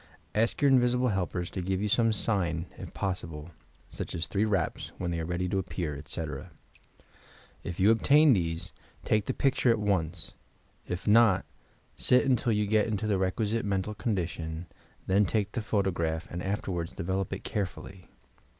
Ask your invisible helpers to give you some sign, if possible, such as three raps when they are ready to appear, etc. If you obtain these, take the picture at once, if not, sit until you get into the requisite mental condition, then take the photograph and after ward develop it carefully.